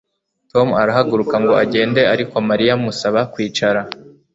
Tom arahaguruka ngo agende ariko Mariya amusaba kwicara